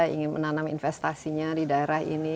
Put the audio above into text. ingin menanam investasinya di daerah ini